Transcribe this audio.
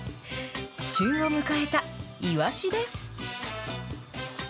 旬を迎えたいわしです。